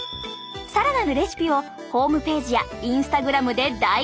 更なるレシピをホームページやインスタグラムで大公開しちゃいます！